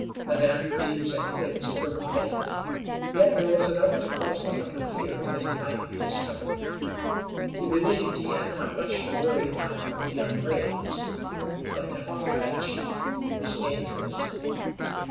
The damp leaves and twigs burned faintly, yet there was enough to cause the hunter fear that he might be discovered. He believed he had not much to worry about from the young braves, but the hawk eyed chief was dangerous.